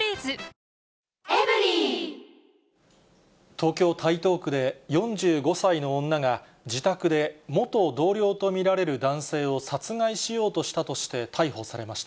東京・台東区で、４５歳の女が、自宅で元同僚と見られる男性を殺害しようとしたとして、逮捕されました。